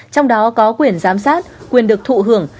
trong đó có quyền giám sát quyền được thụ hưởng